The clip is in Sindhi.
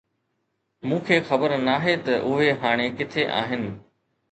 مون کي خبر ناهي ته اهي هاڻي ڪٿي آهن.